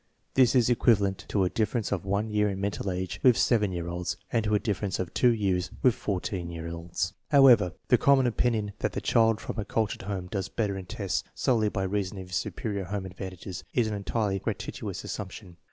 This is equivalent to a difference of one year in mental age with 7 year olds, and to a difference of two years with 14 year olds. However, the common opinion that the child from a cul tured home does better in tests solely by reason of his su perior home advantages is an entirely gratuitous assump tion.